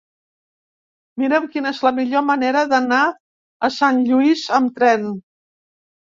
Mira'm quina és la millor manera d'anar a Sant Lluís amb tren.